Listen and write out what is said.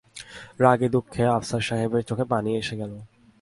রাগে-দুঃখে আফসার সাহেবের চোখে পানি এসে গেল।